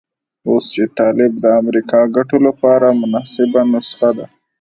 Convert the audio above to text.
اوس چې طالب د امریکا ګټو لپاره مناسبه نسخه ده.